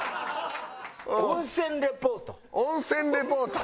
温泉リポート。